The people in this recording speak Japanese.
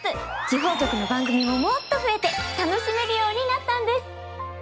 地方局の番組ももっと増えて楽しめるようになったんです。